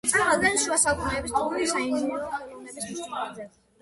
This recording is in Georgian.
წარმოადგენს შუა საუკუნეების თურქული საინჟინრო ხელოვნების მნიშვნელოვან ძეგლს.